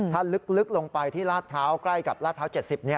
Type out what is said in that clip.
ถ้าลึกลงไปที่ลาดพร้าวใกล้กับลาดพร้าว๗๐